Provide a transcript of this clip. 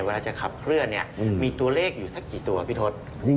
เวลาจะขับเคลื่อนเนี่ยมีตัวเลขอยู่สักกี่ตัวพี่ทศ